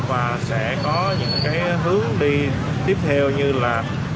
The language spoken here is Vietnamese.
và sẽ có những cái hướng đi tiếp theo như là